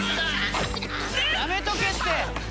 やめとけって！